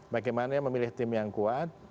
bagaimana memilih tim yang kuat